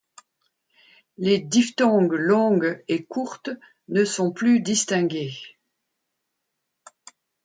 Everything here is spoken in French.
Les diphtongues longues et courtes ne sont plus distinguées.